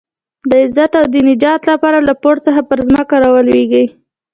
د عزت د نجات لپاره له پوړ څخه پر ځمکه رالوېږي.